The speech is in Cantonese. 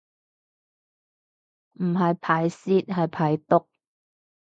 唔係排泄係排毒